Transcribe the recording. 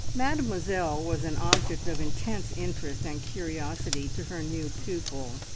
Mademoiselle was an object of intense interest and curiosity to her new pupil.